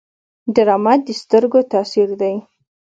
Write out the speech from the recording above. ډرامه د سترګو تاثیر دی